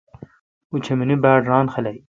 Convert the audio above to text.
اوں چمینی باڑران خلق۔